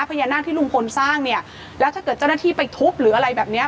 พญานาคที่ลุงพลสร้างเนี่ยแล้วถ้าเกิดเจ้าหน้าที่ไปทุบหรืออะไรแบบเนี้ย